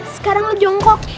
sekarang lu jongkok